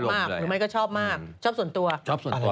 หรือไม่ก็ชอบมากชอบส่วนตัว